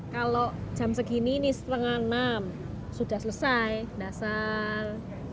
kalau jam segini ini setengah enam sudah selesai dasar